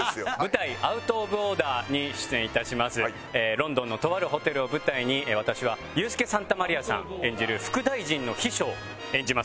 ロンドンのとあるホテルを舞台に私はユースケ・サンタマリアさん演じる副大臣の秘書を演じます。